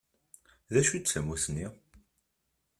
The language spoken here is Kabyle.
D acu i d tamusni?